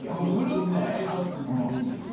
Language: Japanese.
グループ名ちょっと。